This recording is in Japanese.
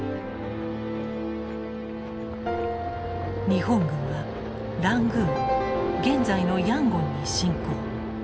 日本軍はラングーン現在のヤンゴンに進攻。